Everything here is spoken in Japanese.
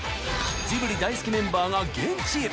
ジブリ大好きメンバーが現地へ。